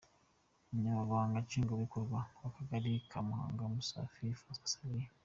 Umunyamabanga nshingwabikorwa w’akagali ka Mahango, Musafiri Francois Xavier, .